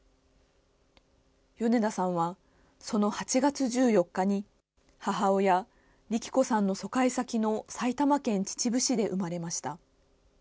米田さんはその８月１４日に、母親、利起子さんの疎開先の埼玉県秩父市で生まれました。